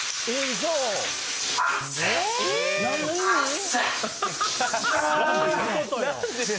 どういうことよ？